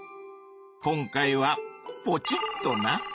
今回はポチッとな！